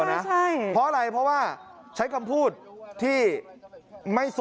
ไงใช่เพราะอะไรเพราะว่าใช้คำพูดที่ไม่สมบอลม